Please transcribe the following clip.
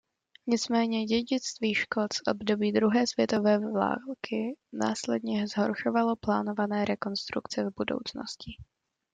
Nicméně dědictví škod z období druhé světové války následně zhoršovalo plánované rekonstrukce v budoucnosti.